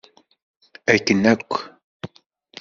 Akken akk!